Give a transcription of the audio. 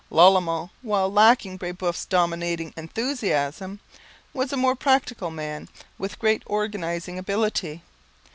Lalemant, while lacking Brebeuf's dominating enthusiasm, was a more practical man, with great organizing ability.